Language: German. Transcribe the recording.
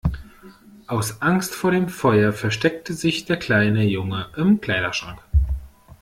Aus Angst vor dem Feuer versteckte sich der kleine Junge im Kleiderschrank.